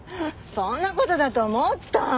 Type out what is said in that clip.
そんな事だと思った！